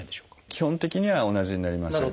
基本的には同じになります。